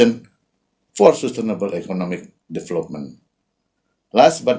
untuk pembangunan ekonomi yang berkelanjutan